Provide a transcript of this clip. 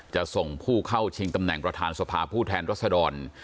จะส่งผู้เข้าชิงตำแหน่งประธานสภาผู้แทนรัศดร